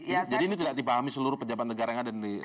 jadi ini tidak dipahami seluruh pejabat negara yang ada di republik ini